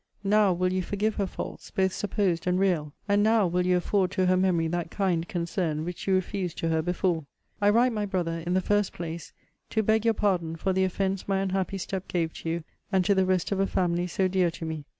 NOW will you forgive her faults, both supposed and real! And NOW will you afford to her memory that kind concern which you refused to her before! I write, my Brother, in the first place, to beg your pardon for the offence my unhappy step gave to you, and to the rest of a family so dear to me.